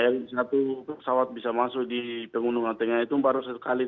r satu pesawat bisa masuk di pengundungan tengah itu baru satu kali ini